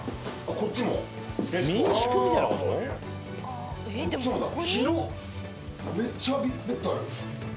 こっちもだ。